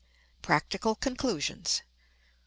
Practical Conclusions.